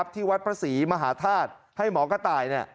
ที่วัดพระศรีมหาธาตุให้หมอกระต่าย